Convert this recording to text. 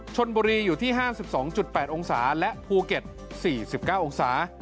ชนบุรีอยู่ที่๕๒๘องศาและภูเก็ต๔๙องศา